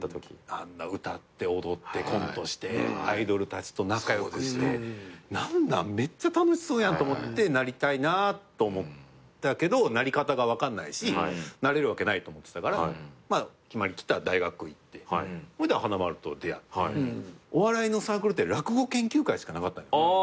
あんな歌って踊ってコントしてアイドルたちと仲良くしてめっちゃ楽しそうやんと思ってなりたいなぁと思ったけどなり方が分かんないしなれるわけないと思ってたから決まり切った大学行って華丸と出会ってお笑いのサークルって落語研究会しかなかったんよ。